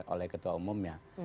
oleh ketua umumnya